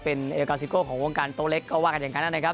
เป็นเอกาซิโก้ของวงการโต๊เล็กก็ว่ากันอย่างนั้นนะครับ